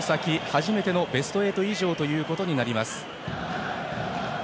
初めてのベスト８以上ということになります。